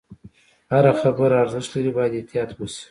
هره خبره ارزښت لري، باید احتیاط وشي.